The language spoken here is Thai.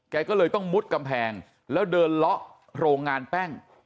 แกก็เลยต้องมุดกำแพงแล้วเดินเลาะโรงงานแป้ง